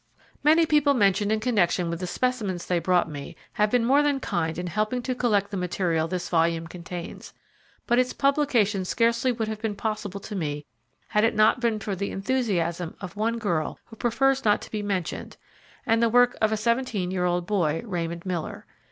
Many people mentioned in connexion with the specimens they brought me have been more than kind in helping to collect the material this volume contains; but its publication scarcely would have been possible to me had it not been for the enthusiasm of one girl who prefers not to be mentioned and the work of a seventeen year old boy, Raymond Miller.